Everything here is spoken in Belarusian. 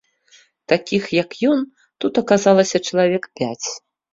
Такіх, як ён, тут аказалася чалавек пяць.